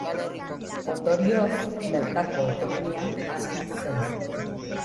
Ondorioz, bertako ekonomia hazi zen.